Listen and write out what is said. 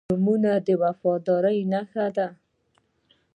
• ځینې نومونه د وفادارۍ نښه ده.